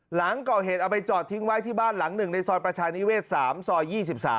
หลังก่อเหตุเอาไปจอดทิ้งไว้ที่บ้านหลังหนึ่งในซอยประชานิเวศ๓ซอย๒๓